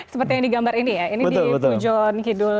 seperti yang digambar ini ya ini di pujon kidul malang ya